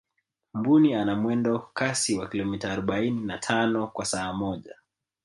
mbuni ana mwendo kasi wa kilomita arobaini na tano kwa saa moja